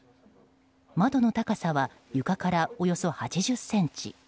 窓の高さは床からおよそ８０ｃｍ。